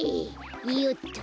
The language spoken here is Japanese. よっと。